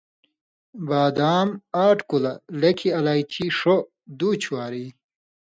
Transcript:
بادام آٹھ کُلہۡ، لیٙکھیۡ الائچی ݜو، دُو چواری۔َ